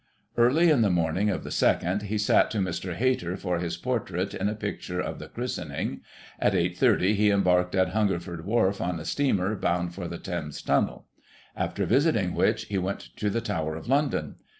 Early in the morning of the 2nd, he sat to Mr. Hayter for his portrait in a picture of the Christening. At 8.30 he embarked at Hungerford Wharf, on a steamer, bound for the Thames Tunnel ; after visiting which, he went to the Tower of London.